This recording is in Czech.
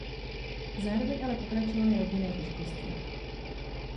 Zároveň ale pokračovaly rodinné těžkosti.